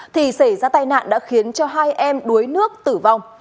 thì xảy ra tai nạn đã khiến cho hai em đuối nước tử vong